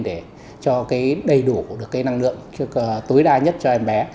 để đầy đủ được năng lượng tối đa nhất cho em bé